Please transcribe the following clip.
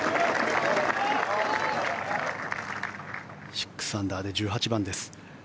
６アンダーで１８番です。